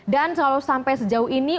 dan kalau sampai sejauh ini